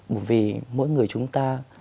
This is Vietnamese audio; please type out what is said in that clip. bởi vì mỗi người chúng ta